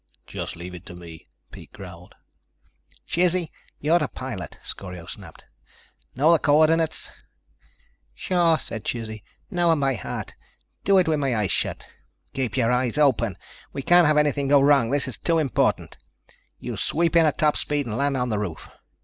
"Just leave it to me," Pete growled. "Chizzy, you're to pilot," Scorio snapped. "Know the coordinates?" "Sure," said Chizzy, "know them by heart. Do it with my eyes shut." "Keep your eyes open. We can't have anything go wrong. This is too important. You swoop in at top speed and land on the roof.